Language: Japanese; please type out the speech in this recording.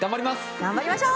頑張りましょう！